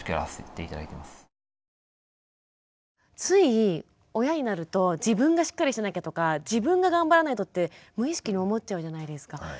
つい親になると自分がしっかりしなきゃとか自分が頑張らないとって無意識に思っちゃうじゃないですか。